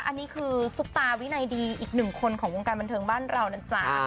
อันนี้คือซุปตาวินัยดีอีกหนึ่งคนของวงการบันเทิงบ้านเรานะจ๊ะ